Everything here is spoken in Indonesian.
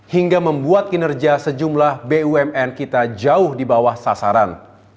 hingga membuat kinerja sejumlah bumn kita jauh di bawah sasaran